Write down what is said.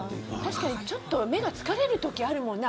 確かにちょっと目が疲れる時あるもんね。